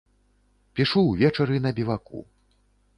Пішу ўвечары на біваку.